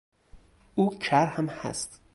او کر هم هست.